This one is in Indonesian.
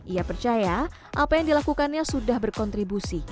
ia percaya apa yang dilakukannya sudah berkontribusi